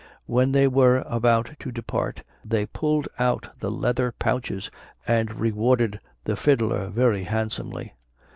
When they were about to depart, they pulled out the leather pouches, and rewarded the fiddler very handsomely.